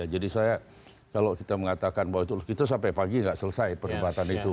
jadi saya kalau kita mengatakan bahwa kita sampai pagi tidak selesai perkhidmatan itu